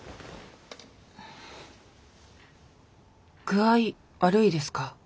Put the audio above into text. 「具合わるいですか。